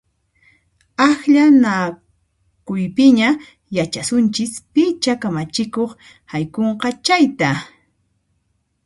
Akllanakuypiña yachasunchis picha kamachikuq haykunqa chayta!